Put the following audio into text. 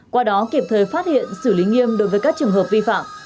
qua đó kịp thời phát hiện xử lý nghiêm đối với các trường hợp vi phạm